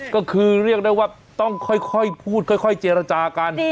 ก็คือเรียกได้ว่าต้องค่อยพูดค่อยเจรจากัน